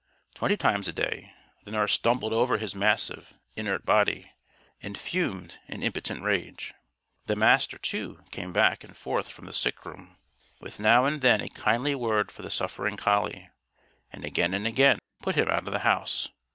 Twenty times a day, the nurse stumbled over his massive, inert body, and fumed in impotent rage. The Master, too, came back and forth from the sick room, with now and then a kindly word for the suffering collie, and again and again put him out of the house.